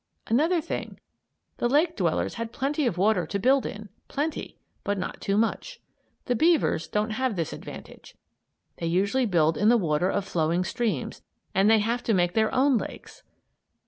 Another thing: The lake dwellers had plenty of water to build in; plenty, but not too much. The beavers don't have this advantage. They usually build in the water of flowing streams, and they have to make their own lakes.